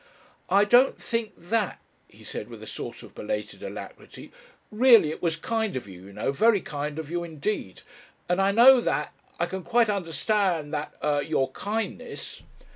"I don't think that," he said with a sort of belated alacrity. "Really, it was kind of you, you know very kind of you indeed. And I know that I can quite understand that er your kindness...."